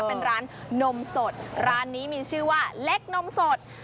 เป็นร้านนมสดร้านนี้มีชื่อว่าเล็กนมสด